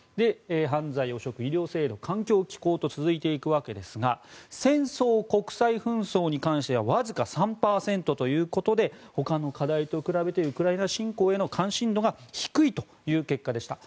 犯罪・汚職、医療制度環境・気候と続いていくわけですが戦争・国際紛争に関してはわずか３％ということで他の課題と比べてウクライナ侵攻への関心が低いという結果でした。